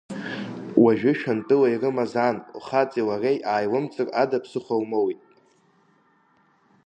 Уажәы Шәантәыла ирымаз ан, лхаҵеи лареи ааилымҵыр ада ԥсыхәа лмоуит.